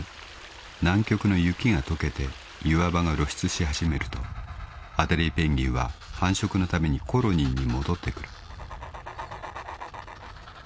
南極の雪が解けて岩場が露出し始めるとアデリーペンギンは繁殖のためにコロニーに戻ってくる］